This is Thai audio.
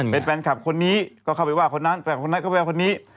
เป็นแฟนคลับคนนี้ก็เข้าไปว่าคนนั้นแฟนคนนั้นเข้าไปว่าคนนี้